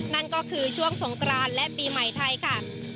นั่นก็คือช่วงสงกรานและปีใหม่ไทยค่ะ